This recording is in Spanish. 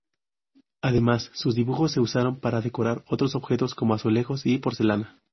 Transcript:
Además, sus dibujos se usaron para decorar otros objetos como azulejos y porcelana.